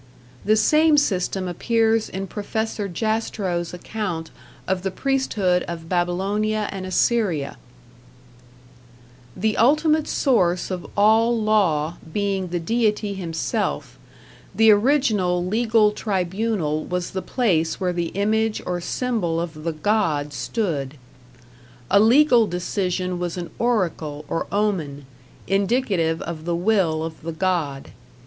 The same system appears in Professor Jastrow's account of the priesthood of Babylonia and Assyria: The ultimate source of all law being the deity himself, the original legal tribunal was the place where the image or symbol of the god stood. A legal decision was an oracle or omen, indicative of the will of the god.